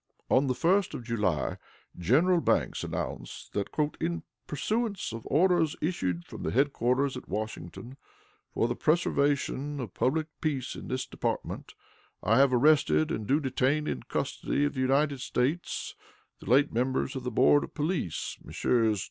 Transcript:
On the 1st of July, General Banks announced that, "in pursuance of orders issued from the headquarters at Washington for the preservation of the public peace in this department, I have arrested, and do detain in custody of the United States, the late members of the Board of Police Messrs.